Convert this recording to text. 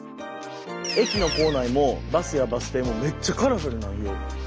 駅の構内もバスやバス停もめっちゃカラフルなんよ。